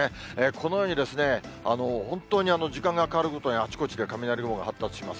このように、本当に時間が変わるごとに、あちこちで雷雲が発達します。